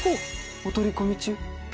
お取り込み中？